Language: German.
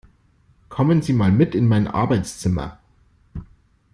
Kommen Sie mal mit in mein Arbeitszimmer!